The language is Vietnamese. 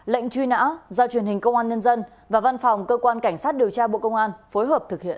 lệnh truy nã do truyền hình công an nhân dân và văn phòng cơ quan cảnh sát điều tra bộ công an phối hợp thực hiện